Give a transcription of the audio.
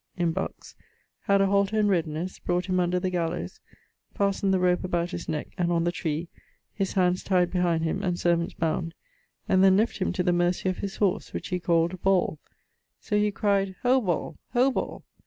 in Bucks; had a halter in readinesse; brought him under the gallowes, fastned the rope about his neck and on the tree, his hands tied behind him (and servants bound), and then left him to the mercy of his horse, which he called Ball. So he cryed 'Ho, Ball! Ho, Ball!'